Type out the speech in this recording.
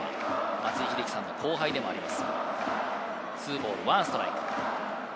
松井秀喜さんの後輩でもあります。